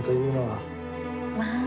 まあ。